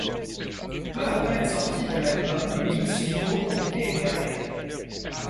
Peu après la sortie de l'album, les mix finaux ont été égarés.